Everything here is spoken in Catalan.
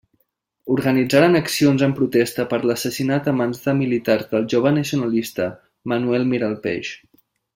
Organitzaren accions en protesta per l'assassinat a mans de militars del jove nacionalista Manuel Miralpeix.